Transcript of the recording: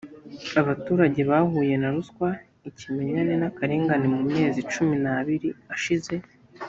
abaturage bahuye na ruswa ikimenyane n’akarengane mu mezi cumi n’abiri ashize